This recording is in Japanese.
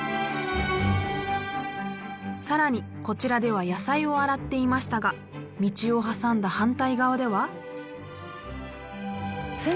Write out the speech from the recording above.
更にこちらでは野菜を洗っていましたが道を挟んだ反対側では。